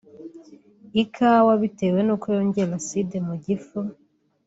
Ikawa bitewe n’uko yongera acide mu gifu